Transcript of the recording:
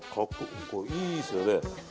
いいですよね。